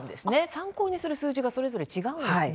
参考にする数字がそれぞれ違うわけですね。